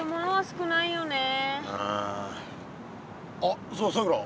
あっそうださくら。